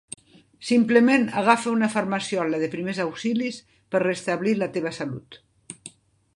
Simplement agafa una farmaciola de primers auxilis per restablir la teva salut.